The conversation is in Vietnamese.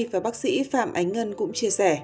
và bác sĩ phạm ánh ngân cũng chia sẻ